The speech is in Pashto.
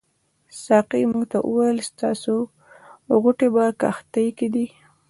ساقي موږ ته وویل ستاسې غوټې په کښتۍ کې دي.